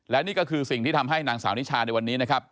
และนี่ก็คือสิ่งที่ทำให้นางสาวนิชาในวันนี้นะครับ